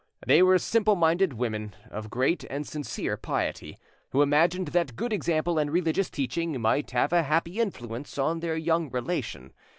They were simpleminded women, of great and sincere piety, who imagined that good example and religious teaching might have a happy influence on their young relation.